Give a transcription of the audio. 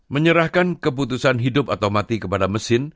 menyerahkan keputusan hidup atau mati kepada mesin